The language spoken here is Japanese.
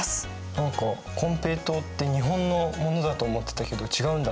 何かコンペイトウって日本のものだと思ってたけど違うんだね。